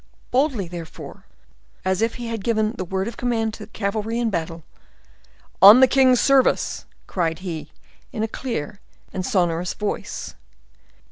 Boldly, therefore, as if he had given the word of command to cavalry in battle, "On the king's service!" cried he, in a clear, sonorous voice.